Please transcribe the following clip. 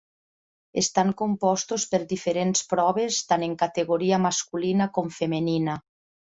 Estan compostos per diferents proves tant en categoria masculina com femenina.